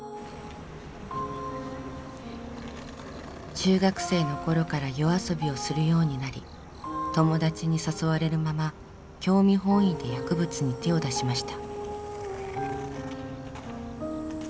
中学生の頃から夜遊びをするようになり友達に誘われるまま興味本位で薬物に手を出しました。